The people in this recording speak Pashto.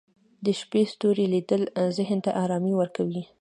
د شپې ستوري لیدل ذهن ته ارامي ورکوي